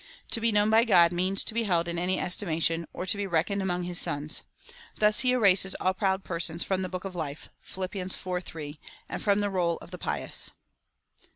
To be known by God means to be held in any estimation, or to be reckoned among his sons. Thus he erases all proud persons from the book of life, (Phil. iv. 3,) and from the roll of the pious.